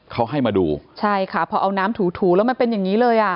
เขาให้มาดูใช่ค่ะพอเอาน้ำถูถูแล้วมันเป็นอย่างงี้เลยอ่ะ